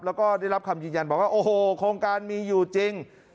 แล้วก็ได้รับคำยืนยันบอกว่าโอ้โหโครงการมีอยู่จริง